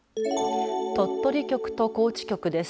鳥取局と高知局です。